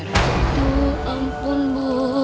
tuh ampun bu